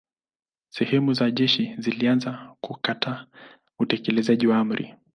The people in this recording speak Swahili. Sehemu za jeshi zilianza kukataa utekelezaji wa amri.